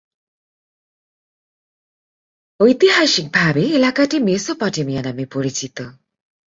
ঐতিহাসিকভাবে, এলাকাটি মেসোপটেমিয়া নামে পরিচিত।